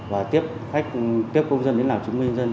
và tiếp công dân đến làm chứng minh nhân dân